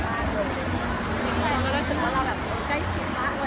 แฟนก็รู้สึกว่าเราแบบใกล้ชิดมากเลย